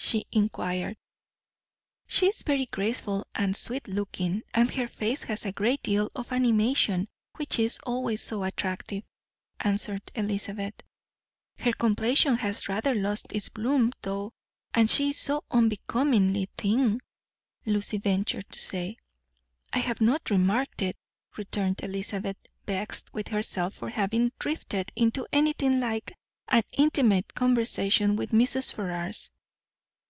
she inquired. "She is very graceful and sweet looking; and her face has a great deal of animation, which is always so attractive," answered Elizabeth. "Her complexion has rather lost its bloom, though, and she is so unbecomingly thin," Lucy ventured to say. "I have not remarked it," returned Elizabeth, vexed with herself for having drifted into anything like an intimate conversation with Mrs. Ferrars.